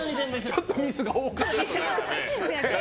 ちょっとミスが多かったね。